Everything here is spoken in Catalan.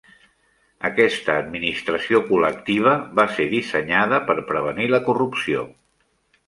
Aquesta administració col·lectiva va ser dissenyada per prevenir la corrupció.